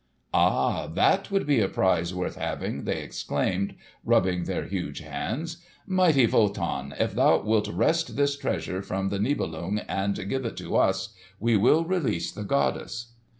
"Ah! that would be a prize worth having!" they exclaimed, rubbing their huge hands. "Mighty Wotan, if thou wilt wrest this treasure from the Nibelung and give it to us, we will release the goddess."